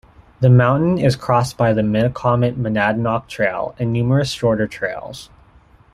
The mountain is crossed by the Metacomet-Monadnock Trail and numerous shorter trails.